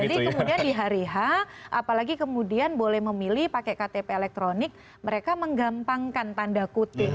jadi kemudian di hari h apalagi kemudian boleh memilih pakai ktp elektronik mereka menggampangkan tanda kutip